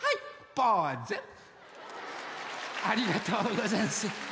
ありがとうござんす。